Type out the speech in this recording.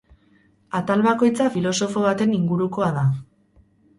Atal bakoitza filosofo baten ingurukoa da.